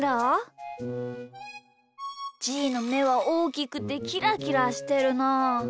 じーのめはおおきくてキラキラしてるなあ。